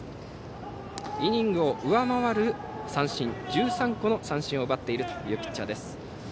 イニングを上回る１３個の三振を奪っているピッチャー。